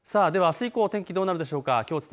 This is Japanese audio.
あす以降天気どうなるでしょうか。